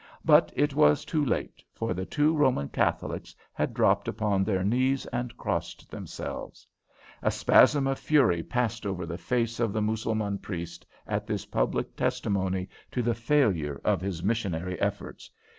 But it was too late, for the two Roman Catholics had dropped upon their knees and crossed themselves. A spasm of fury passed over the face of the Mussulman priest at this public testimony to the failure of his missionary efforts.